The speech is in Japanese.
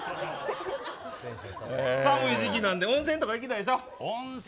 寒い時期なんで温泉とか行きたいでしょ。